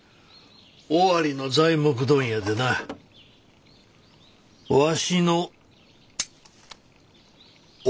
尾張の材木問屋でなわしの奥の手じゃ。